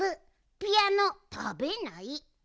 ピアノたべない。